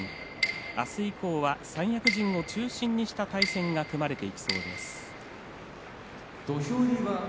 明日以降は三役陣を中心にした対戦が組まれていきそうです。